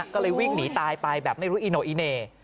ก็เลยวิ่งหนีตายไปแบบไม่รู้อีโนอิเน่